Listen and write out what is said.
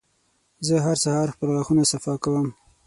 زه هر سهار خپل غاښونه صفا کوم.